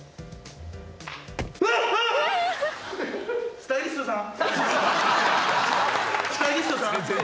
スタイリストさん？